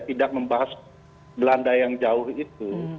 tidak membahas belanda yang jauh itu